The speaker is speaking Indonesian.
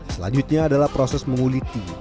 selanjutnya adalah proses menguliti